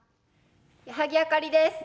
矢作あかりです。